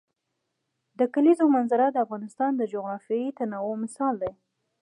د کلیزو منظره د افغانستان د جغرافیوي تنوع مثال دی.